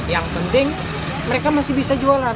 yang penting mereka masih bisa jualan